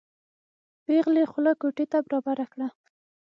پېغلې خوله کوټې ته برابره کړه.